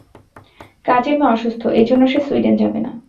কাজের মেয়ে অসুস্থ, এই জন্যে সে সুইডেন যাবে না।